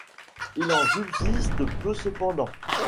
Il en subsiste peu cependant.